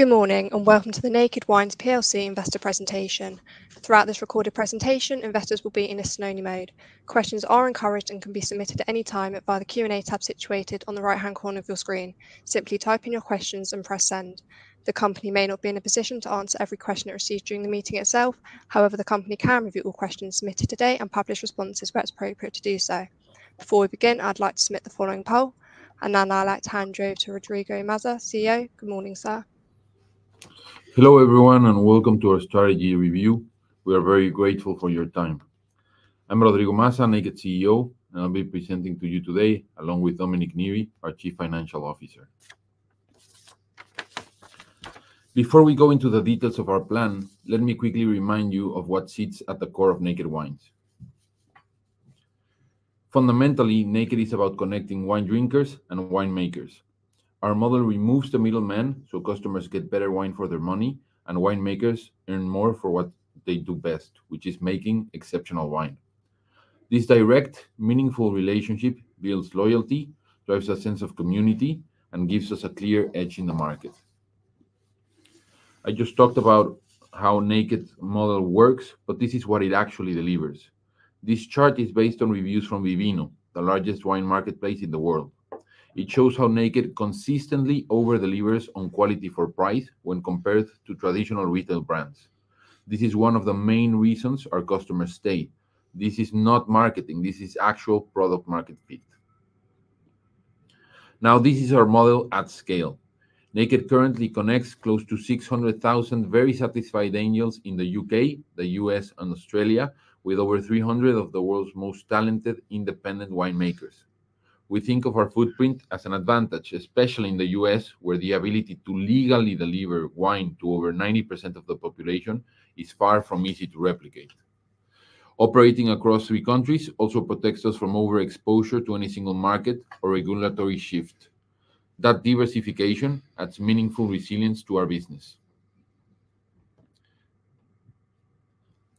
Good morning, and welcome to the Naked Wines investor presentation. Throughout this recorded presentation, investors will be in a synonymy mode. Questions are encouraged and can be submitted at any time via the Q&A tab situated on the right-hand corner of your screen. Simply type in your questions and press send. The company may not be in a position to answer every question it receives during the meeting itself. However, the company can review all questions submitted today and publish responses where it's appropriate to do so. Before we begin, I'd like to submit the following poll, and then I'd like to hand over to Rodrigo Maza, CEO. Good morning, sir. Hello everyone, and welcome to our strategy review. We are very grateful for your time. I'm Rodrigo Maza, Naked CEO, and I'll be presenting to you today along with Dominic Neary, our Chief Financial Officer. Before we go into the details of our plan, let me quickly remind you of what sits at the core of Naked Wines. Fundamentally, Naked is about connecting wine drinkers and winemakers. Our model removes the middlemen so customers get better wine for their money, and winemakers earn more for what they do best, which is making exceptional wine. This direct, meaningful relationship builds loyalty, drives a sense of community, and gives us a clear edge in the market. I just talked about how Naked's model works, but this is what it actually delivers. This chart is based on reviews from Vivino, the largest wine marketplace in the world. It shows how Naked consistently overdelivers on quality for price when compared to traditional retail brands. This is one of the main reasons our customers stay. This is not marketing; this is actual product-market fit. Now, this is our model at scale. Naked currently connects close to 600,000 very satisfied Angels in the U.K., the U.S., and Australia, with over 300 of the world's most talented independent winemakers. We think of our footprint as an advantage, especially in the U.S., where the ability to legally deliver wine to over 90% of the population is far from easy to replicate. Operating across three countries also protects us from overexposure to any single market or regulatory shift. That diversification adds meaningful resilience to our business.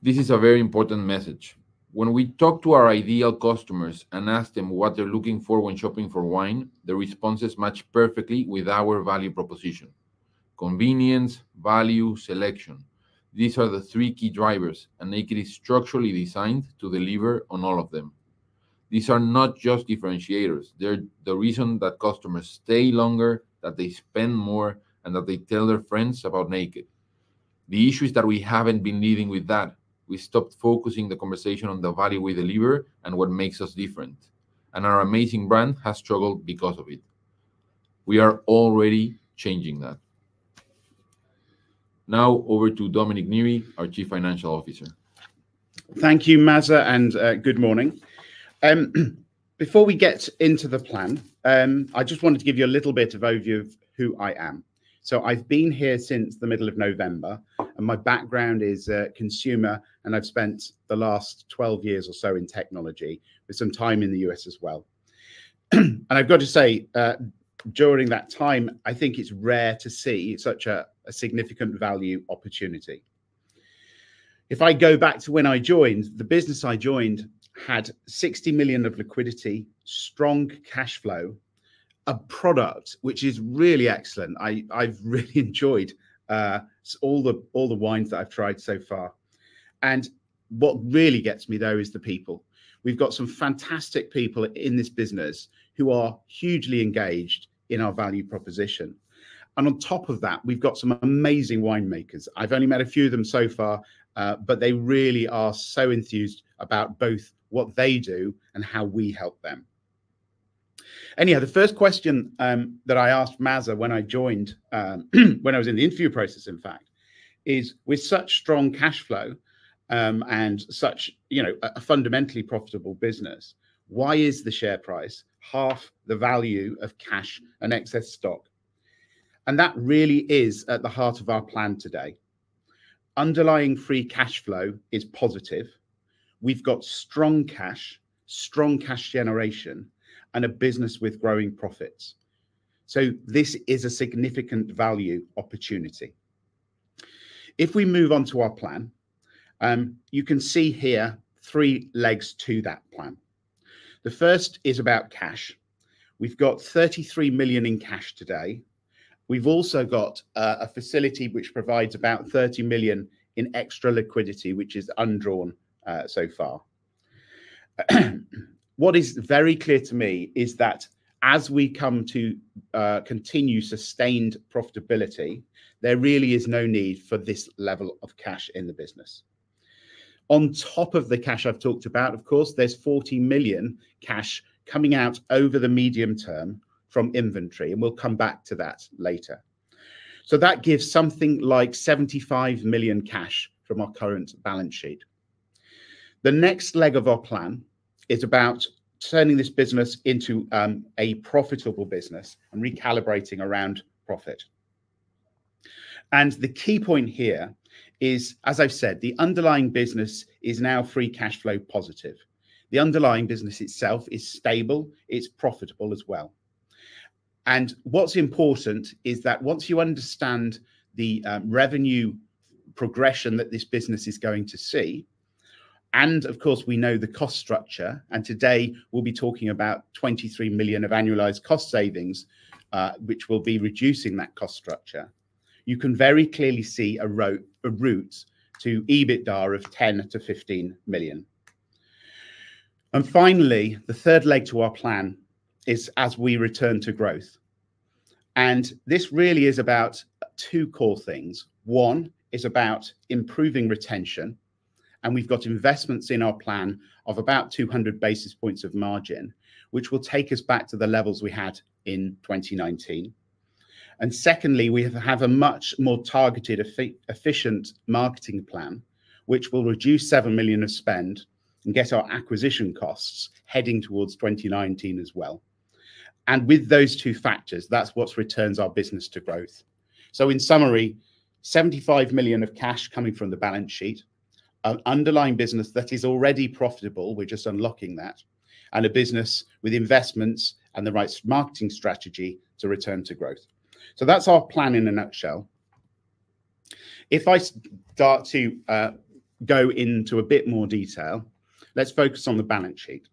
This is a very important message. When we talk to our ideal customers and ask them what they're looking for when shopping for wine, their responses match perfectly with our value proposition. Convenience, value, selection—these are the three key drivers, and Naked is structurally designed to deliver on all of them. These are not just differentiators. They're the reason that customers stay longer, that they spend more, and that they tell their friends about Naked. The issue is that we haven't been leading with that. We stopped focusing the conversation on the value we deliver and what makes us different, and our amazing brand has struggled because of it. We are already changing that. Now, over to Dominic Neary, our Chief Financial Officer. Thank you, Maza, and good morning. Before we get into the plan, I just wanted to give you a little bit of overview of who I am. I've been here since the middle of November, and my background is consumer, and I've spent the last 12 years or so in technology, with some time in the U.S. as well. I've got to say, during that time, I think it's rare to see such a significant value opportunity. If I go back to when I joined, the business I joined had 60 million of liquidity, strong cash flow, a product which is really excellent. I've really enjoyed all the wines that I've tried so far. What really gets me, though, is the people. We've got some fantastic people in this business who are hugely engaged in our value proposition. On top of that, we've got some amazing winemakers. I've only met a few of them so far, but they really are so enthused about both what they do and how we help them. Anyhow, the first question that I asked Maza when I joined, when I was in the interview process, in fact, is, with such strong cash flow and such a fundamentally profitable business, why is the share price half the value of cash and excess stock? That really is at the heart of our plan today. Underlying free cash flow is positive. We've got strong cash, strong cash generation, and a business with growing profits. This is a significant value opportunity. If we move on to our plan, you can see here three legs to that plan. The first is about cash. We've got 33 million in cash today. We've also got a facility which provides about 30 million in extra liquidity, which is undrawn so far. What is very clear to me is that as we come to continue sustained profitability, there really is no need for this level of cash in the business. On top of the cash I've talked about, of course, there's 40 million cash coming out over the medium term from inventory, and we'll come back to that later. That gives something like 75 million cash from our current balance sheet. The next leg of our plan is about turning this business into a profitable business and recalibrating around profit. The key point here is, as I've said, the underlying business is now free cash flow positive. The underlying business itself is stable. It's profitable as well. What's important is that once you understand the revenue progression that this business is going to see, and of course, we know the cost structure, today we'll be talking about $23 million of annualized cost savings, which will be reducing that cost structure. You can very clearly see a route to EBITDA of $10 million-$15 million. Finally, the third leg to our plan is as we return to growth. This really is about two core things. One is about improving retention, and we've got investments in our plan of about 200 basis points of margin, which will take us back to the levels we had in 2019. Secondly, we have a much more targeted, efficient marketing plan, which will reduce $7 million of spend and get our acquisition costs heading towards 2019 as well. With those two factors, that's what returns our business to growth. In summary, 75 million of cash coming from the balance sheet, an underlying business that is already profitable, we're just unlocking that, and a business with investments and the right marketing strategy to return to growth. That's our plan in a nutshell. If I start to go into a bit more detail, let's focus on the balance sheet.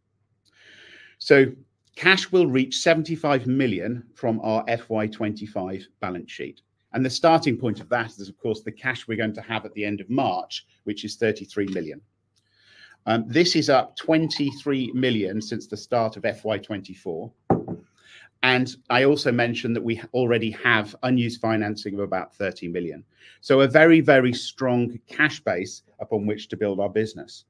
Cash will reach 75 million from our FY2025 balance sheet. The starting point of that is, of course, the cash we're going to have at the end of March, which is 33 million. This is up 23 million since the start of FY2024. I also mentioned that we already have unused financing of about 30 million. A very, very strong cash base upon which to build our business.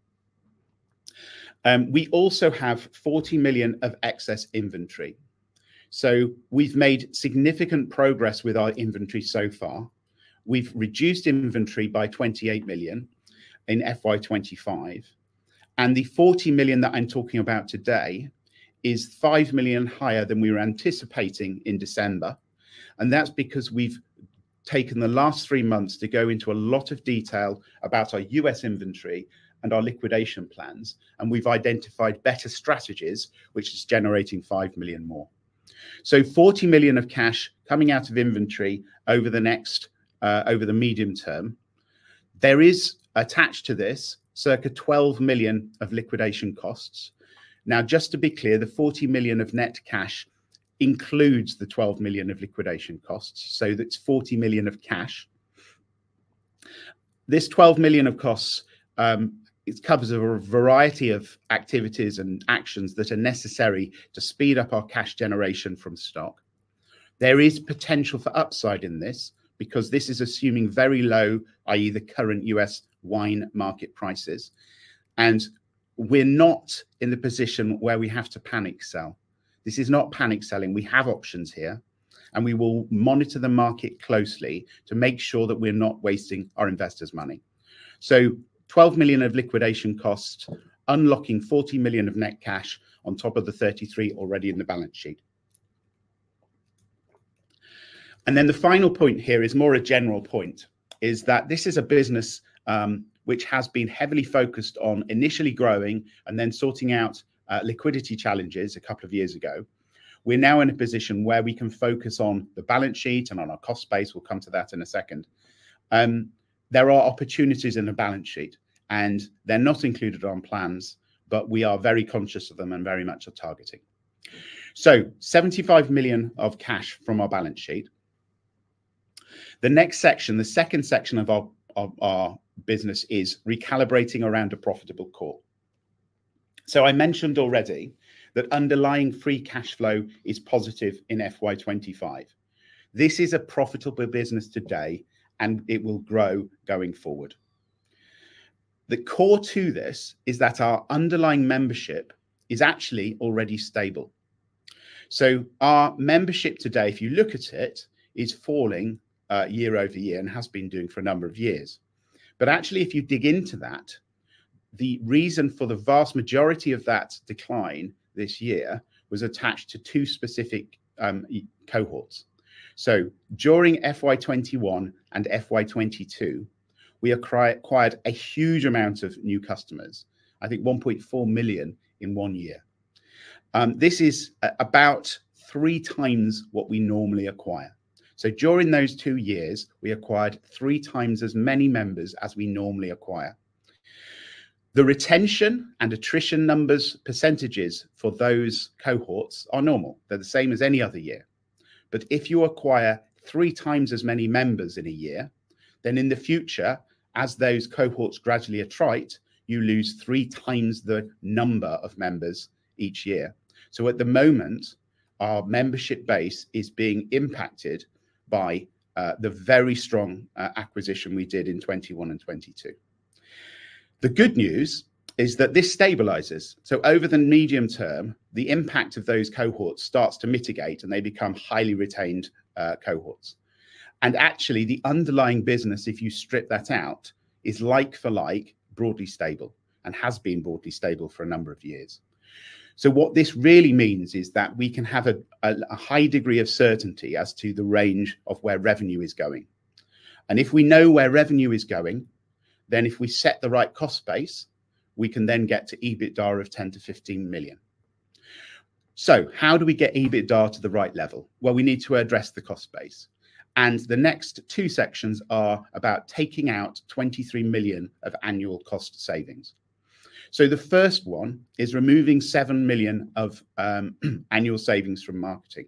We also have $40 million of excess inventory. We have made significant progress with our inventory so far. We have reduced inventory by $28 million in FY2025. The $40 million that I am talking about today is $5 million higher than we were anticipating in December. That is because we have taken the last three months to go into a lot of detail about our U.S. inventory and our liquidation plans, and we have identified better strategies, which is generating $5 million more. $40 million of cash is coming out of inventory over the medium term. There is attached to this circa $12 million of liquidation costs. Just to be clear, the $40 million of net cash includes the $12 million of liquidation costs. That is $40 million of cash. This $12 million of costs covers a variety of activities and actions that are necessary to speed up our cash generation from stock. There is potential for upside in this because this is assuming very low, i.e., the current U.S. wine market prices. We are not in the position where we have to panic sell. This is not panic selling. We have options here, and we will monitor the market closely to make sure that we are not wasting our investors' money. $12 million of liquidation costs, unlocking $40 million of net cash on top of the $33 million already in the balance sheet. The final point here is more a general point, that this is a business which has been heavily focused on initially growing and then sorting out liquidity challenges a couple of years ago. We're now in a position where we can focus on the balance sheet and on our cost base. We'll come to that in a second. There are opportunities in the balance sheet, and they're not included on plans, but we are very conscious of them and very much are targeting. $75 million of cash from our balance sheet. The next section, the second section of our business is recalibrating around a profitable core. I mentioned already that underlying free cash flow is positive in FY2025. This is a profitable business today, and it will grow going forward. The core to this is that our underlying membership is actually already stable. Our membership today, if you look at it, is falling year over year and has been doing for a number of years. Actually, if you dig into that, the reason for the vast majority of that decline this year was attached to two specific cohorts. During FY2021 and FY2022, we acquired a huge amount of new customers, I think 1.4 million in one year. This is about three times what we normally acquire. During those two years, we acquired three times as many members as we normally acquire. The retention and attrition numbers, percentages for those cohorts are normal. They're the same as any other year. If you acquire three times as many members in a year, then in the future, as those cohorts gradually attrite, you lose three times the number of members each year. At the moment, our membership base is being impacted by the very strong acquisition we did in 2021 and 2022. The good news is that this stabilizes. Over the medium term, the impact of those cohorts starts to mitigate, and they become highly retained cohorts. Actually, the underlying business, if you strip that out, is like for like, broadly stable, and has been broadly stable for a number of years. What this really means is that we can have a high degree of certainty as to the range of where revenue is going. If we know where revenue is going, then if we set the right cost base, we can then get to EBITDA of $10 million-$15 million. How do we get EBITDA to the right level? We need to address the cost base. The next two sections are about taking out $23 million of annual cost savings. The first one is removing $7 million of annual savings from marketing.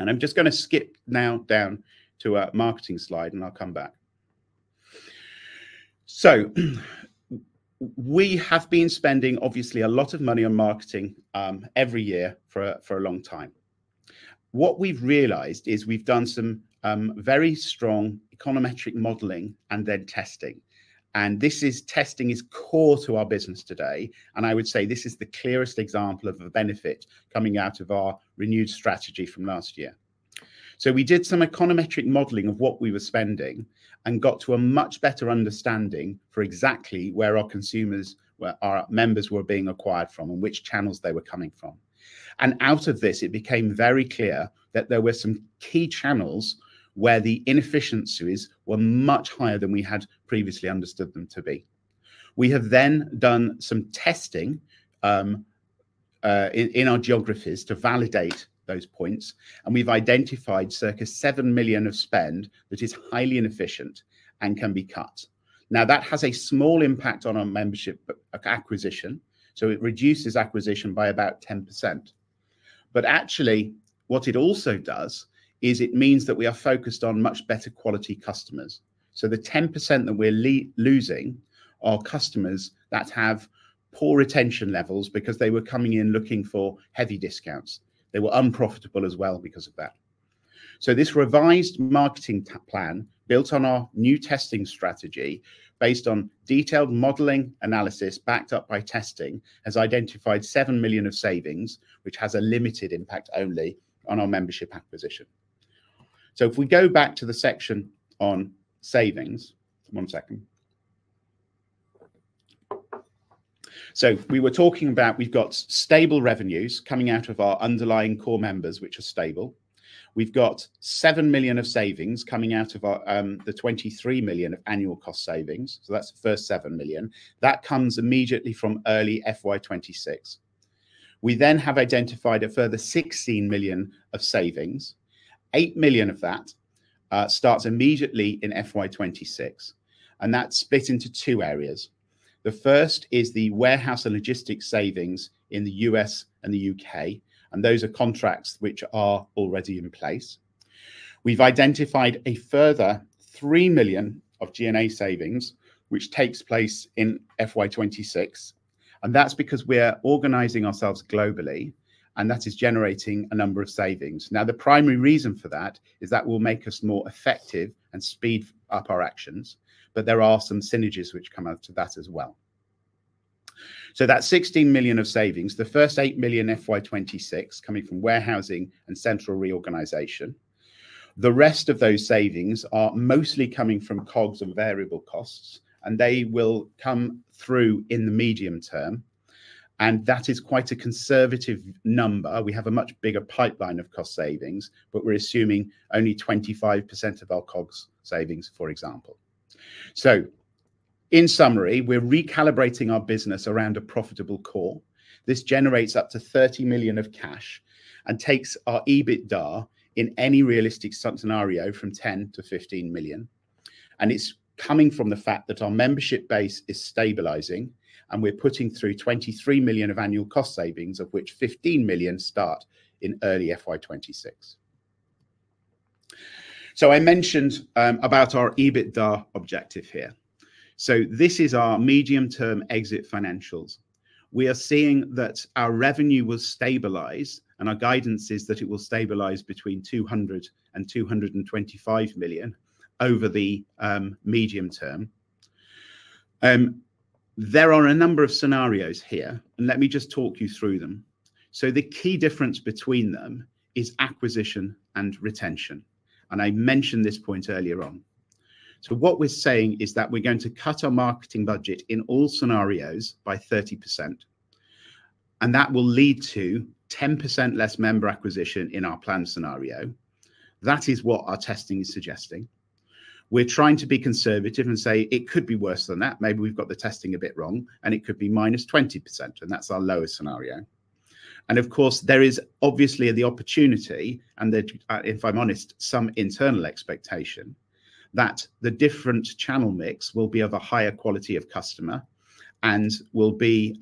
I'm just going to skip now down to a marketing slide, and I'll come back. We have been spending, obviously, a lot of money on marketing every year for a long time. What we've realized is we've done some very strong econometric modeling and then testing. This testing is core to our business today. I would say this is the clearest example of a benefit coming out of our renewed strategy from last year. We did some econometric modeling of what we were spending and got to a much better understanding for exactly where our consumers, our members were being acquired from and which channels they were coming from. Out of this, it became very clear that there were some key channels where the inefficiencies were much higher than we had previously understood them to be. We have then done some testing in our geographies to validate those points, and we've identified 7 million of spend that is highly inefficient and can be cut. Now, that has a small impact on our membership acquisition, so it reduces acquisition by about 10%. Actually, what it also does is it means that we are focused on much better quality customers. The 10% that we're losing are customers that have poor retention levels because they were coming in looking for heavy discounts. They were unprofitable as well because of that. This revised marketing plan, built on our new testing strategy based on detailed modeling analysis backed up by testing, has identified 7 million of savings, which has a limited impact only on our membership acquisition. If we go back to the section on savings, one second. We were talking about we've got stable revenues coming out of our underlying core members, which are stable. We've got $7 million of savings coming out of the $23 million of annual cost savings. That's the first $7 million. That comes immediately from early FY2026. We then have identified a further $16 million of savings. $8 million of that starts immediately in FY2026. That's split into two areas. The first is the warehouse and logistics savings in the U.S. and the U.K. Those are contracts which are already in place. We've identified a further $3 million of G&A savings, which takes place in FY2026. That's because we're organizing ourselves globally, and that is generating a number of savings. Now, the primary reason for that is that will make us more effective and speed up our actions, but there are some synergies which come out of that as well. That 16 million of savings, the first 8 million in FY2026 coming from warehousing and central reorganization. The rest of those savings are mostly coming from COGS and variable costs, and they will come through in the medium term. That is quite a conservative number. We have a much bigger pipeline of cost savings, but we're assuming only 25% of our COGS savings, for example. In summary, we're recalibrating our business around a profitable core. This generates up to 30 million of cash and takes our EBITDA in any realistic scenario from 10 million-15 million. It is coming from the fact that our membership base is stabilizing, and we are putting through $23 million of annual cost savings, of which $15 million start in early FY2026. I mentioned our EBITDA objective here. This is our medium-term exit financials. We are seeing that our revenue will stabilize, and our guidance is that it will stabilize between $200 million and $225 million over the medium term. There are a number of scenarios here, and let me just talk you through them. The key difference between them is acquisition and retention. I mentioned this point earlier on. What we are saying is that we are going to cut our marketing budget in all scenarios by 30%. That will lead to 10% less member acquisition in our planned scenario. That is what our testing is suggesting. We're trying to be conservative and say it could be worse than that. Maybe we've got the testing a bit wrong, and it could be -20%, and that's our lowest scenario. Of course, there is obviously the opportunity, and if I'm honest, some internal expectation that the different channel mix will be of a higher quality of customer and will be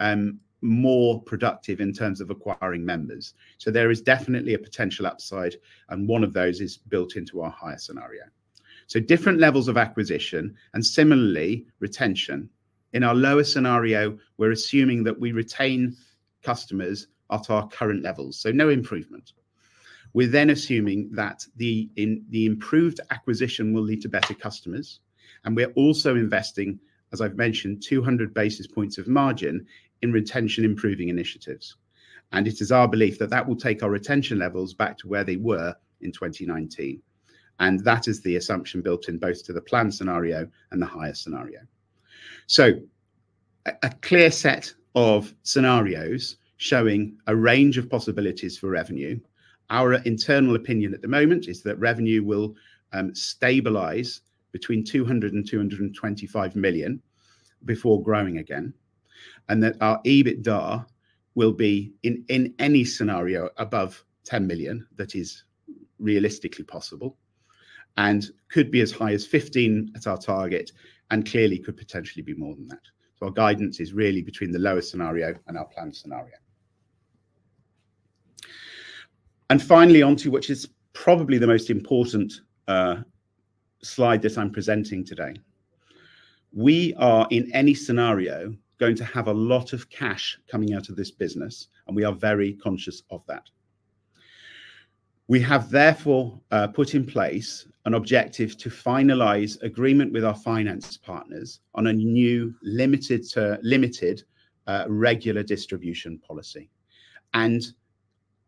more productive in terms of acquiring members. There is definitely a potential upside, and one of those is built into our higher scenario. Different levels of acquisition and similarly retention. In our lower scenario, we're assuming that we retain customers at our current levels, so no improvement. We're then assuming that the improved acquisition will lead to better customers. We're also investing, as I've mentioned, 200 basis points of margin in retention improving initiatives. It is our belief that that will take our retention levels back to where they were in 2019. That is the assumption built in both to the planned scenario and the higher scenario. A clear set of scenarios showing a range of possibilities for revenue. Our internal opinion at the moment is that revenue will stabilize between $200 million and $225 million before growing again, and that our EBITDA will be in any scenario above $10 million, that is realistically possible, and could be as high as $15 million as our target, and clearly could potentially be more than that. Our guidance is really between the lowest scenario and our planned scenario. Finally, onto which is probably the most important slide that I'm presenting today. We are, in any scenario, going to have a lot of cash coming out of this business, and we are very conscious of that. We have therefore put in place an objective to finalize agreement with our finance partners on a new limited regular distribution policy.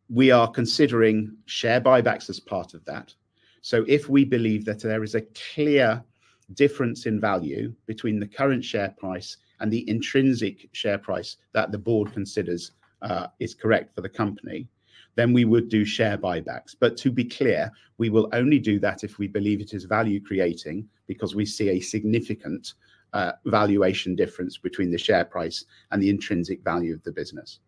We are considering share buybacks as part of that. If we believe that there is a clear difference in value between the current share price and the intrinsic share price that the board considers is correct for the company, we would do share buybacks. To be clear, we will only do that if we believe it is value creating because we see a significant valuation difference between the share price and the intrinsic value of the business.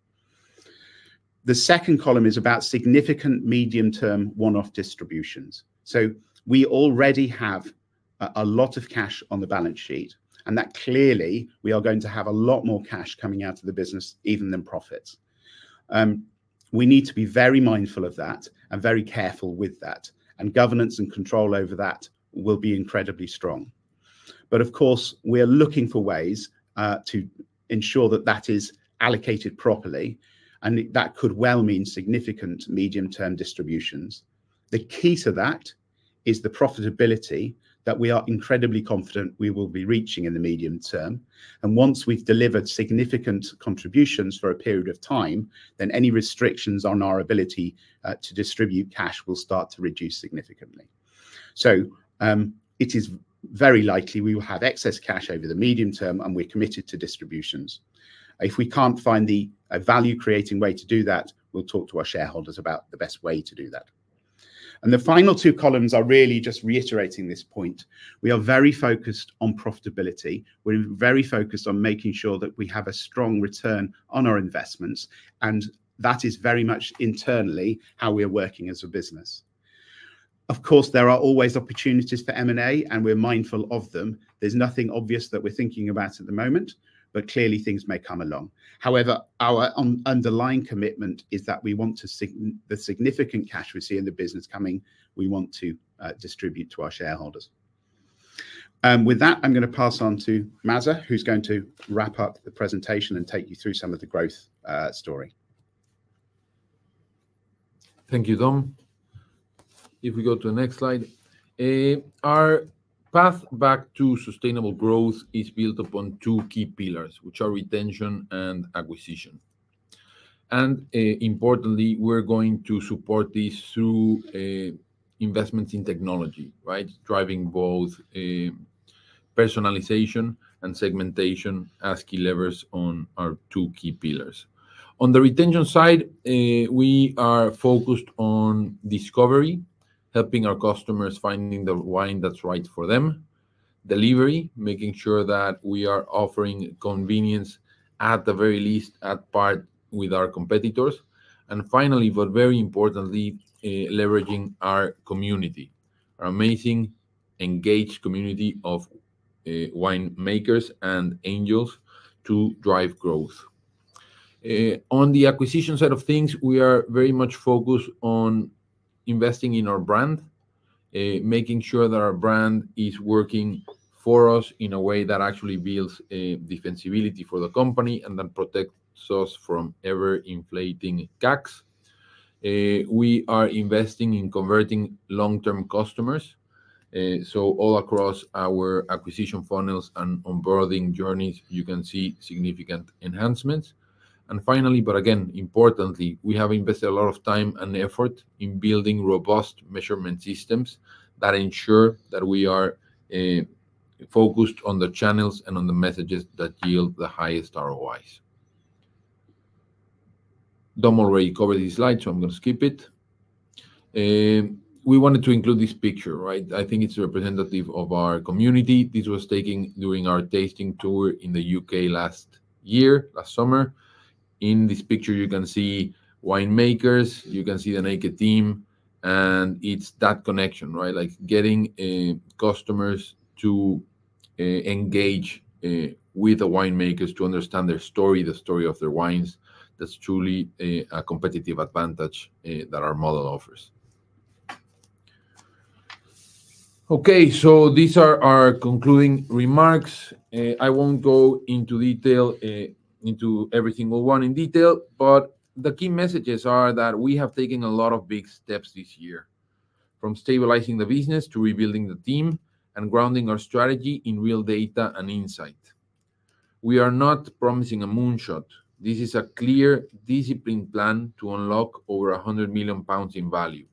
The second column is about significant medium-term one-off distributions. We already have a lot of cash on the balance sheet, and that clearly we are going to have a lot more cash coming out of the business even than profits. We need to be very mindful of that and very careful with that. Governance and control over that will be incredibly strong. Of course, we are looking for ways to ensure that that is allocated properly, and that could well mean significant medium-term distributions. The key to that is the profitability that we are incredibly confident we will be reaching in the medium term. Once we've delivered significant contributions for a period of time, then any restrictions on our ability to distribute cash will start to reduce significantly. It is very likely we will have excess cash over the medium term, and we're committed to distributions. If we can't find the value-creating way to do that, we'll talk to our shareholders about the best way to do that. The final two columns are really just reiterating this point. We are very focused on profitability. We're very focused on making sure that we have a strong return on our investments, and that is very much internally how we are working as a business. Of course, there are always opportunities for M&A, and we're mindful of them. There's nothing obvious that we're thinking about at the moment, but clearly things may come along. However, our underlying commitment is that we want the significant cash we see in the business coming; we want to distribute to our shareholders. With that, I'm going to pass on to Maza, who's going to wrap up the presentation and take you through some of the growth story. Thank you, Dom. If we go to the next slide, our path back to sustainable growth is built upon two key pillars, which are retention and acquisition. Importantly, we're going to support this through investments in technology, right? Driving both personalization and segmentation as key levers on our two key pillars. On the retention side, we are focused on discovery, helping our customers find the wine that's right for them, delivery, making sure that we are offering convenience at the very least at par with our competitors. Finally, but very importantly, leveraging our community, our amazing engaged community of winemakers and angels to drive growth. On the acquisition side of things, we are very much focused on investing in our brand, making sure that our brand is working for us in a way that actually builds defensibility for the company and then protects us from ever-inflating gaps. We are investing in converting long-term customers. All across our acquisition funnels and onboarding journeys, you can see significant enhancements. Finally, but again, importantly, we have invested a lot of time and effort in building robust measurement systems that ensure that we are focused on the channels and on the messages that yield the highest ROIs. Dom already covered this slide, so I'm going to skip it. We wanted to include this picture, right? I think it's representative of our community. This was taken during our tasting tour in the U.K. last year, last summer. In this picture, you can see winemakers, you can see the Naked team, and it's that connection, right? Like getting customers to engage with the winemakers to understand their story, the story of their wines. That's truly a competitive advantage that our model offers. Okay, these are our concluding remarks. I will not go into detail into every single one in detail, but the key messages are that we have taken a lot of big steps this year, from stabilizing the business to rebuilding the team and grounding our strategy in real data and insight. We are not promising a moonshot. This is a clear discipline plan to unlock 100 million pounds in value.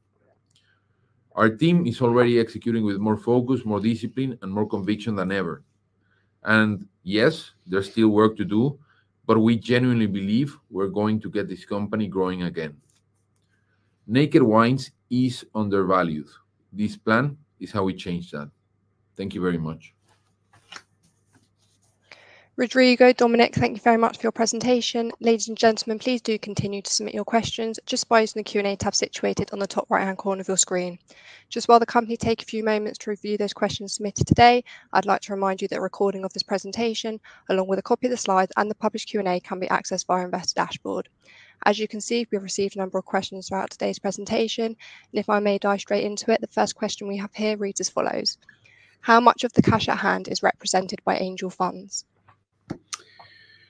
Our team is already executing with more focus, more discipline, and more conviction than ever. Yes, there is still work to do, but we genuinely believe we are going to get this company growing again. Naked Wines is undervalued. This plan is how we change that. Thank you very much. Rodrigo, Dominic, thank you very much for your presentation. Ladies and gentlemen, please do continue to submit your questions just by using the Q&A tab situated on the top right-hand corner of your screen. Just while the company takes a few moments to review those questions submitted today, I'd like to remind you that a recording of this presentation, along with a copy of the slides and the published Q&A, can be accessed via our investor dashboard. As you can see, we've received a number of questions throughout today's presentation. If I may dive straight into it, the first question we have here reads as follows: How much of the cash at hand is represented by Angel funds?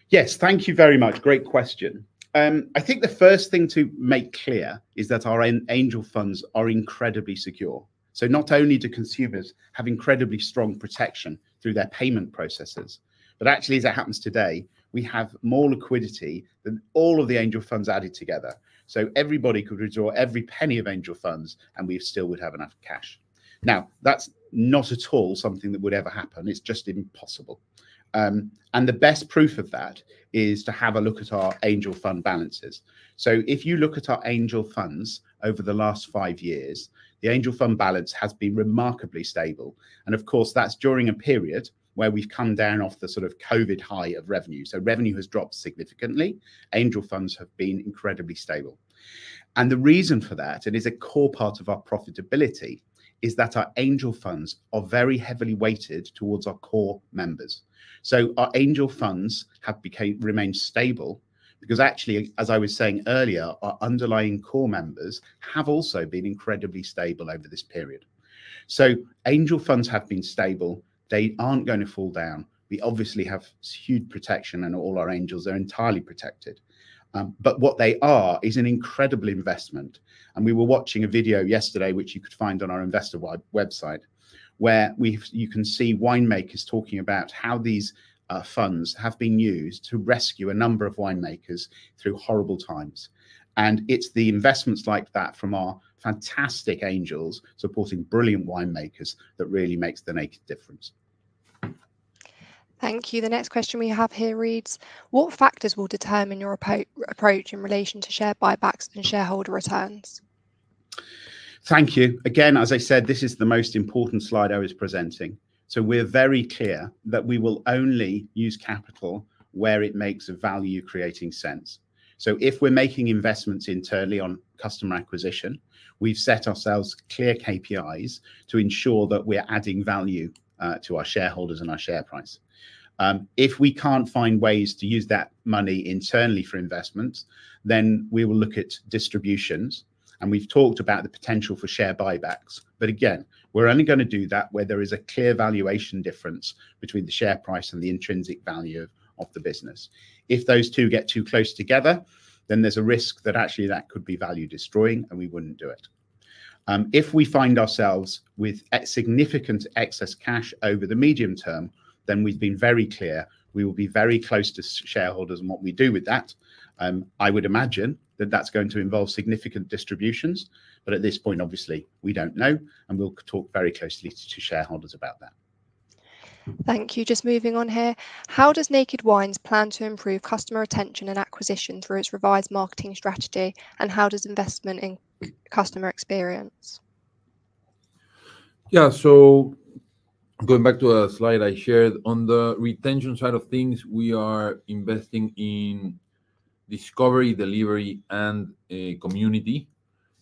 Yes, thank you very much. Great question. I think the first thing to make clear is that our Angel funds are incredibly secure. Not only do consumers have incredibly strong protection through their payment processes, but actually, as it happens today, we have more liquidity than all of the Angel funds added together. Everybody could withdraw every penny of Angel funds, and we still would have enough cash. That is not at all something that would ever happen. It is just impossible. The best proof of that is to have a look at our angel fund balances. If you look at our Angel funds over the last five years, the angel fund balance has been remarkably stable. Of course, that is during a period where we have come down off the sort of COVID high of revenue. Revenue has dropped significantly. Angel funds have been incredibly stable. The reason for that, and it is a core part of our profitability, is that our Angel funds are very heavily weighted towards our core members. Our Angel funds have remained stable because actually, as I was saying earlier, our underlying core members have also been incredibly stable over this period. Angel funds have been stable. They aren't going to fall down. We obviously have huge protection, and all our angels, they're entirely protected. What they are is an incredible investment. We were watching a video yesterday, which you could find on our investor website, where you can see winemakers talking about how these funds have been used to rescue a number of winemakers through horrible times. It is the investments like that from our fantastic angels supporting brilliant winemakers that really makes the naked difference. Thank you. The next question we have here reads, what factors will determine your approach in relation to share buybacks and shareholder returns? Thank you. Again, as I said, this is the most important slide I was presenting. We are very clear that we will only use capital where it makes value-creating sense. If we're making investments internally on customer acquisition, we've set ourselves clear KPIs to ensure that we're adding value to our shareholders and our share price. If we can't find ways to use that money internally for investments, we will look at distributions. We've talked about the potential for share buybacks. Again, we're only going to do that where there is a clear valuation difference between the share price and the intrinsic value of the business. If those two get too close together, there's a risk that actually that could be value-destroying, and we wouldn't do it. If we find ourselves with significant excess cash over the medium term, we've been very clear we will be very close to shareholders and what we do with that. I would imagine that that's going to involve significant distributions, but at this point, obviously, we don't know, and we'll talk very closely to shareholders about that. Thank you. Just moving on here. How does Naked Wines plan to improve customer retention and acquisition through its revised marketing strategy, and how does investment in customer experience? Yeah, so going back to a slide I shared, on the retention side of things, we are investing in discovery, delivery, and community.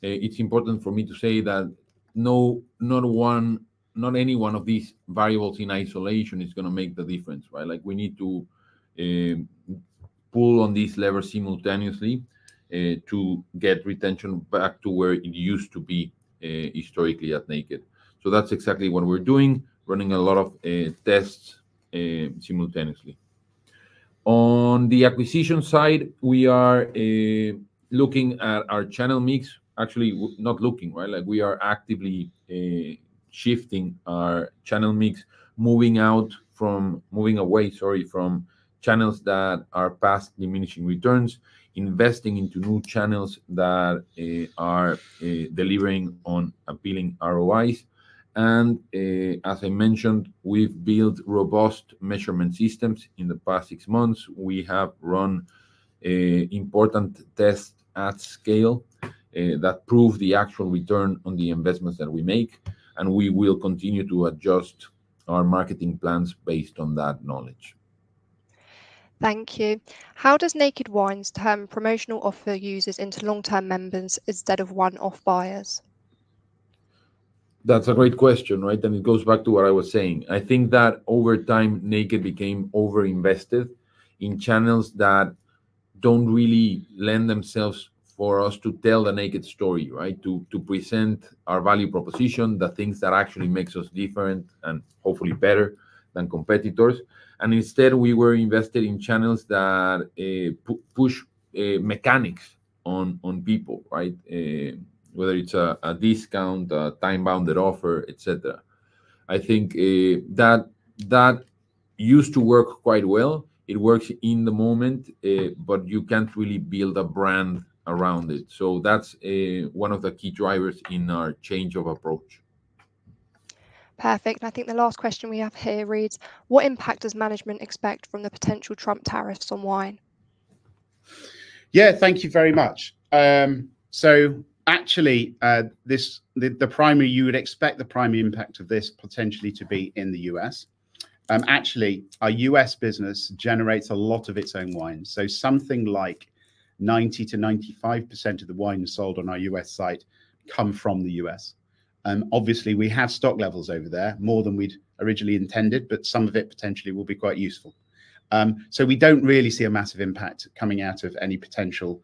It's important for me to say that not any one of these variables in isolation is going to make the difference, right? Like we need to pull on these levers simultaneously to get retention back to where it used to be historically at Naked. That's exactly what we're doing, running a lot of tests simultaneously. On the acquisition side, we are looking at our channel mix, actually not looking, right? Like we are actively shifting our channel mix, moving away, sorry, from channels that are past diminishing returns, investing into new channels that are delivering on appealing ROIs. As I mentioned, we've built robust measurement systems. In the past six months, we have run important tests at scale that prove the actual return on the investments that we make, and we will continue to adjust our marketing plans based on that knowledge. Thank you. How does Naked Wines turn promotional offer users into long-term members instead of one-off buyers? That's a great question, right? It goes back to what I was saying. I think that over time, Naked became over-invested in channels that don't really lend themselves for us to tell the Naked story, right? To present our value proposition, the things that actually make us different and hopefully better than competitors. Instead, we were invested in channels that push mechanics on people, right? Whether it's a discount, a time-bounded offer, etc. I think that used to work quite well. It works in the moment, but you can't really build a brand around it. That is one of the key drivers in our change of approach. Perfect. I think the last question we have here reads, what impact does management expect from the potential Trump tariffs on wine? Yeah, thank you very much. Actually, you would expect the primary impact of this potentially to be in the U.S. Actually, our U.S. business generates a lot of its own wines. Something like 90%-95% of the wines sold on our U.S. site come from the U.S. Obviously, we have stock levels over there, more than we'd originally intended, but some of it potentially will be quite useful. We don't really see a massive impact coming out of any potential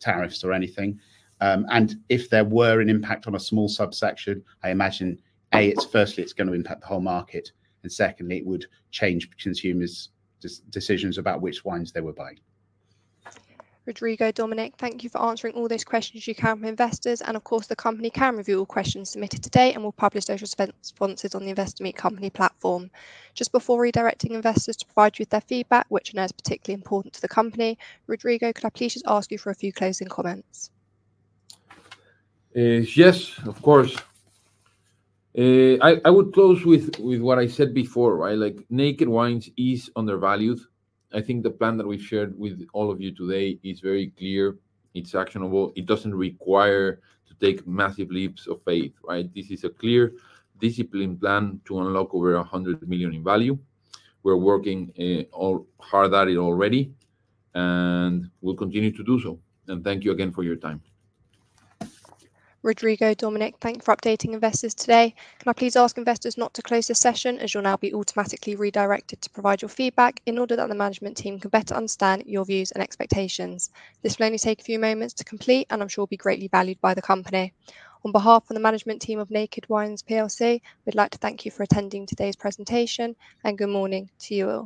tariffs or anything. If there were an impact on a small subsection, I imagine, A, firstly, it's going to impact the whole market, and secondly, it would change consumers' decisions about which wines they were buying. Rodrigo, Dominic, thank you for answering all those questions you can from investors. Of course, the company can review all questions submitted today and will publish those responses on the Investor Meet Company platform. Just before redirecting investors to provide you with their feedback, which I know is particularly important to the company, Rodrigo, could I please just ask you for a few closing comments? Yes, of course. I would close with what I said before, right? Like Naked Wines is undervalued. I think the plan that we've shared with all of you today is very clear. It's actionable. It doesn't require you to take massive leaps of faith, right? This is a clear discipline plan to unlock over 100 million in value. We're working hard at it already, and we'll continue to do so. Thank you again for your time. Rodrigo, Dominic, thank you for updating investors today. Can I please ask investors not to close the session as you'll now be automatically redirected to provide your feedback in order that the management team can better understand your views and expectations? This will only take a few moments to complete, and I'm sure it will be greatly valued by the company. On behalf of the management team of Naked Wines, we'd like to thank you for attending today's presentation, and good morning to you all.